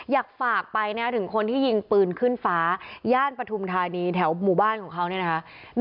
อยากฝากไปนะถึงคนที่ยิงปืนขึ้นฟ้าย่านปฐุมธานีแถวหมู่บ้านของเขาเนี่ยนะคะ